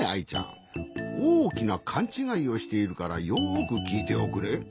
おおきなかんちがいをしているからよくきいておくれ。